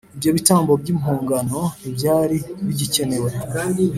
ibyo bitambo by impongano ntibyari bigikenewe.